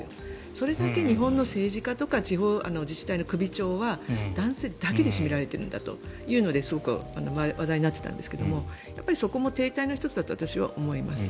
それだけ日本の政治家とか地方自治体の首長は男性だけで占められているんだというのですごく話題になっていたんですがそこも停滞の１つだと私は思います。